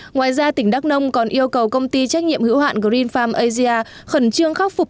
ngoài ra tỉnh đắk nông còn yêu cầu công ty trách nhiệm hữu hạn green farm asia khẩn trương khắc phục